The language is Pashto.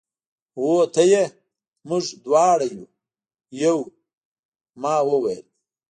هو ته یې، موږ دواړه یو، یو. ما وویل.